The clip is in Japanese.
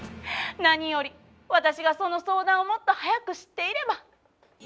何より私がその相談をもっと早く知っていれば。